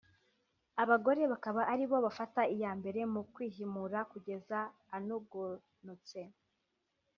abagore bakaba ari bo bafata iya mbere mu kwihimura kugeza anogonotse